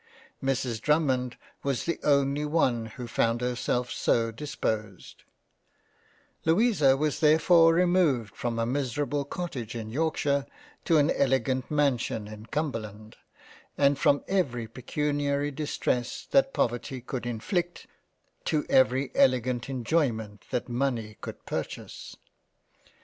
Mrs. Drummond was the only one who found herself so disposed — Louisa was therefore removed from a miserable Cottage in Yorkshire to an elegant Mansion in Cumberland, and from every pecuniary Distress that Poverty could inflict, to every elegant Enjoyment that Money could purchase —